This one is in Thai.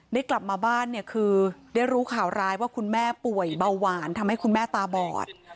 ได้กลับมาบ้านเนี่ยคือได้รู้ข่าวร้ายว่าคุณแม่ป่วยเบาหวานทำให้คุณแม่ตาบอด